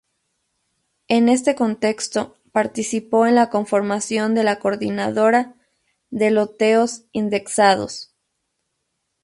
En este contexto, participó en la conformación de la Coordinadora de Loteos Indexados.